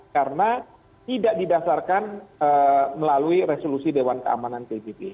karena tidak didasarkan melalui resolusi dewan keamanan ebb